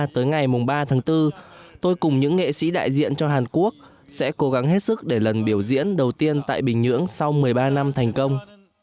tới ngày ba tháng bốn tôi cùng những nghệ sĩ đại diện cho hàn quốc sẽ cố gắng hết sức để lần biểu diễn đầu tiên tại bình nhưỡng sau một mươi ba năm thành công